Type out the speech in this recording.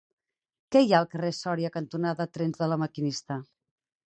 Què hi ha al carrer Sòria cantonada Trens de La Maquinista?